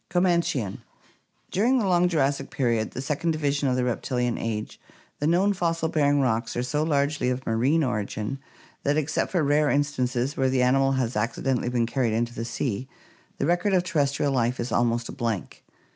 Comanchian. — During the long Jurassic period, the second division of the reptilian age, the known fossil bearing rocks are so largely of marine origin that, except for rare instances where the animal has accidentally been carried into the sea, the record of terrestrial life is almost a blank.